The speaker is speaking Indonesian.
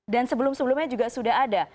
dan sebelum sebelumnya juga sudah ada